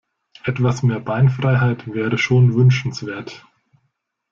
Etwas mehr Beinfreiheit wäre schon wünschenswert.